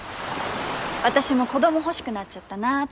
私も子供欲しくなっちゃったなって